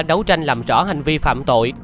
đấu tranh làm rõ hành vi phạm tội